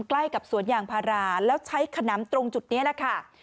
ใกล้กับสวนยางพาราแล้วใช้ขนำตรงจุดนี้แหละค่ะ